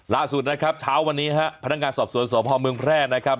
ล่าสุดนะครับเช้าวันนี้ฮะพนักงานสอบสวนสพเมืองแพร่นะครับ